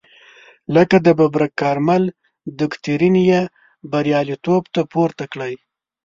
لکه د ببرک کارمل دکترین یې بریالیتوب ته پورته کړی.